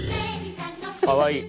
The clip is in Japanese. かわいい。